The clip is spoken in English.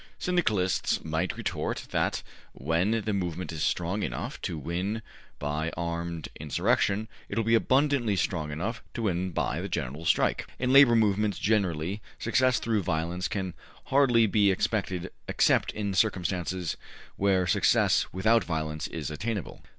'' Syndicalists might retort that when the movement is strong enough to win by armed insurrection it will be abundantly strong enough to win by the General Strike. In Labor movements generally, success through violence can hardly be expected except in circumstances where success without violence is attainable.